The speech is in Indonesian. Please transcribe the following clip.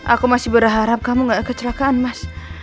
aku masih berharap kamu gak kecelakaan mas